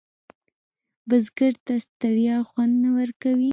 بزګر ته ستړیا خوند نه ورکوي